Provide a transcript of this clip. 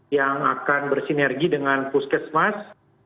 yang akan bersinergi dengan puskesmas